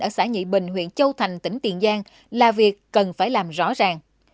ở xã nhị bình huyện châu thành tỉnh tiền giang là việc cần phải làm rõ ràng